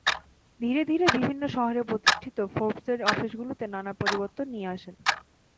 ধীরে ধীরে বিভিন্ন শহরে প্রতিষ্ঠিত ফোর্বসের অফিসগুলোতে নানা পরিবর্তন নিয়ে আসেন।